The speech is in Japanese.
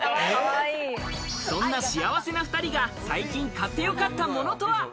そんな幸せな２人が最近買ってよかったものとは。